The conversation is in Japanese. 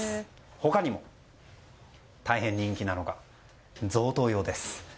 他にも、大変人気なのが贈答用です。